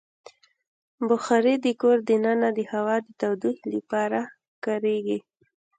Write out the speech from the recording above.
بخاري د کور دننه د هوا د تودوخې لپاره کارېږي.